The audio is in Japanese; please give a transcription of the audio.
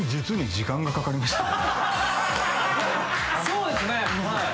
そうですねはい。